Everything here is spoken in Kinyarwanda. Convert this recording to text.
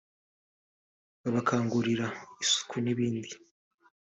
babakangurira isuku n’ibindi